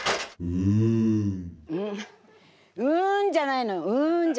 「うん」じゃないの。